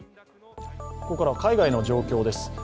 ここからは海外の状況です。